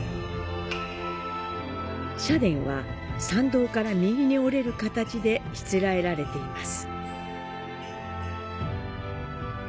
社殿は、参道から右に折れる形でしつらえられています。